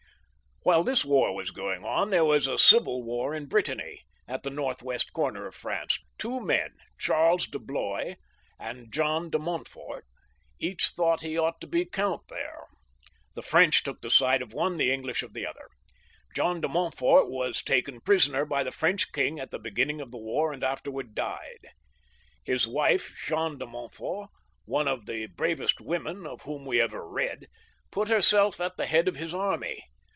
While this war was going on there was a civil war in Brittany, at the north west corner of France. Two men, Charles de Blois and John de Montfort, each thought they ought to be count there. The French took the side of one, the English of the other. John de Montfort was taken prisoner by the French king at the beginning of the war, and afterwards died ; his wife, Jeanne de Montfort, one of the bravest women of whom we ever read, put herself at the head of his army.